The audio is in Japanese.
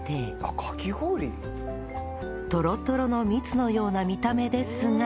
とろとろの蜜のような見た目ですが